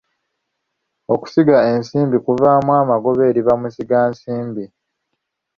Okusiga ensimbi kuvaamu amagoba eri bamusigansimbi.